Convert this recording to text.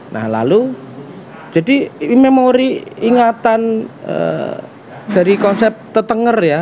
nah lalu jadi memori ingatan dari konsep tetenger ya